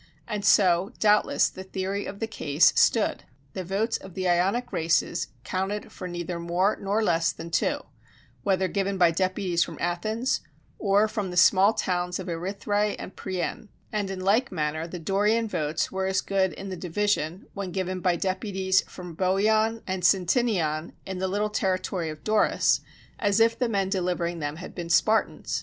And so, doubtless, the theory of the case stood: the votes of the Ionic races counted for neither more nor less than two, whether given by deputies from Athens, or from the small towns of Erythræ and Priene; and in like manner the Dorian votes were as good in the division, when given by deputies from Boeon and Cytinion in the little territory of Doris, as if the men delivering them had been Spartans.